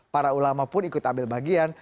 para ulama pun ikut ambil bagian